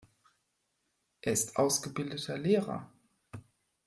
Er ist ausgebildeter Lehrer.